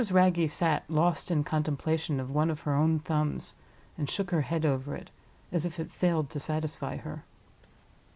Wragge sat lost in contemplation of one of her own thumbs, and shook her head over it, as if it failed to satisfy her.